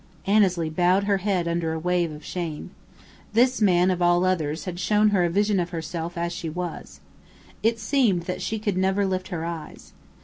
Annesley bowed her head under a wave of shame. This man, of all others, had shown her a vision of herself as she was. It seemed that she could never lift her eyes.